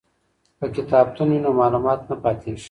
که کتابتون وي نو معلومات نه پاتیږي.